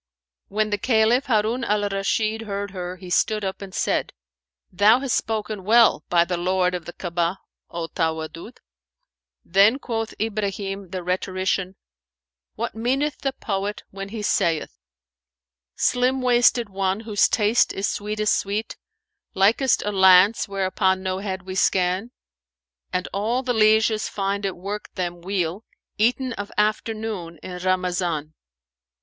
When the Caliph Harun al Rashid heard her, he stood up and said, "Thou hast spoken well, by the Lord of the Ka'abah, O Tawaddud!" Then quoth Ibrahim the rhetorician, "What meaneth the poet when he saith, 'Slim wasted one, whose taste is sweetest sweet, * Likest a lance whereon no head we scan: And all the lieges find it work them weal, * Eaten of afternoon in Ramazan.'"